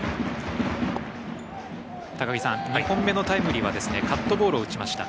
高木さん２本目のタイムリーはカットボールを打ちました。